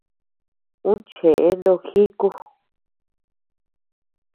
Ú cheʼë no jíku.